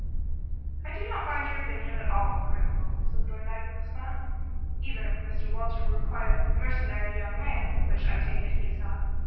"I do not find your opinion at all incredible," said Thorndyke, with a smile, "even if Mr. Walter were quite a mercenary young man which, I take it, he is not."